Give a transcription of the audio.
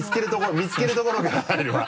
見つけるところから入るわ。